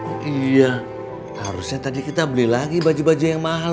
oh iya harusnya tadi kita beli lagi baju baju yang mahal